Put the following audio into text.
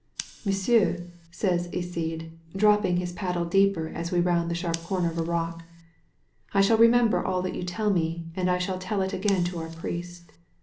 "M'sieu*," says Iside, dipping his paddle deeper as we round the sharp comer of a rock, '^I shall remember all that you tell me, and I shall tell it again to our priest.